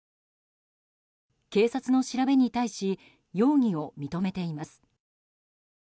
警察の調べに対し容疑を認めています。